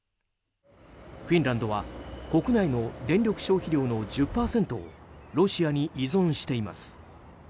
フィンランドは国内の電力消費量の１０％をロシアに依存しています。